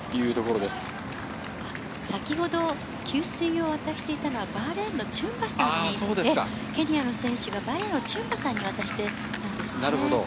先ほど給水を渡していたのは、バーレーンのチュンバさんにケニアの選手が渡していたんですね。